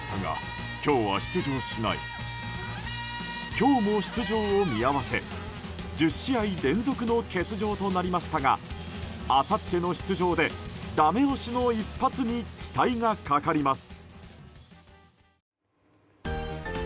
今日も出場を見合わせ１０試合連続の欠場となりましたがあさっての出場でダメ押しの一発に期待がかかります。